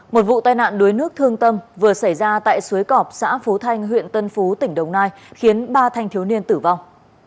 một vụ tai nạn đuối nước thương tâm vừa xảy ra tại suối cọp xã phú thanh huyện tân phú tỉnh đồng nai khiến ba thanh thiếu niên tử vong